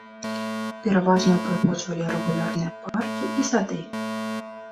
Пераважна ўпрыгожвалі рэгулярныя паркі і сады.